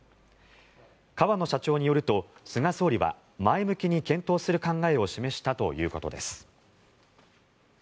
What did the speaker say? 河野社長によると菅総理は前向きに検討する考えを示したということです。